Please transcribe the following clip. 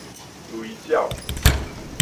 雷鳥